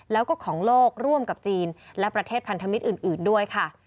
แล้วก็ของโลกร่วมกับจีนและประเทศพันธมิตรอื่นด้วยค่ะ